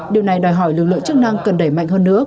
điều này đòi hỏi lực lượng chức năng cần đẩy mạnh hơn nữa